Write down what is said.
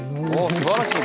すばらしい！